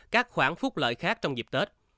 các khoản phúc lợi khác trong dịp tết